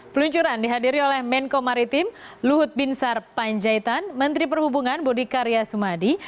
peluncuran dihadiri oleh menko maritim luhut binsar panjaitan menteri perhubungan budi karya sumadi